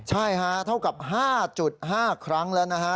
ใช่ฮะเท่ากับ๕๕ครั้งแล้วนะฮะ